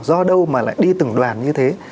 do đâu mà lại đi từng đoàn như thế